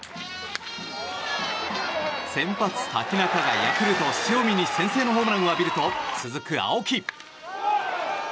先発、瀧中がヤクルト、塩見に先制のホームランを浴びると続く青木。